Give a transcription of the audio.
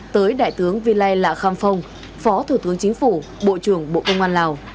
tới đại tướng vy lai lạ kham phong phó thủ tướng chính phủ bộ trưởng bộ công an lào